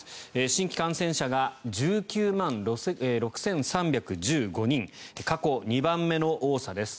新規感染者が１９万６３１５人過去２番目の多さです。